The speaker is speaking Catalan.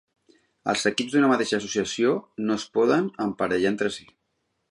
Els equips d'una mateixa associació no es poden emparellar entre si.